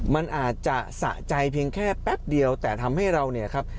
มันอาจจะสะใจเพียงแค่แป๊บเดียวแต่ทำให้เราเนี่ยครับ